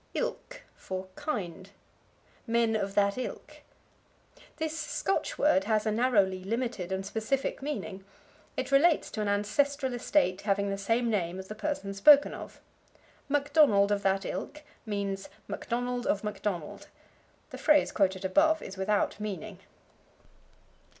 Ilk for Kind. "Men of that ilk." This Scotch word has a narrowly limited and specific meaning. It relates to an ancestral estate having the same name as the person spoken of. Macdonald of that ilk means, Macdonald of Macdonald. The phrase quoted above is without meaning.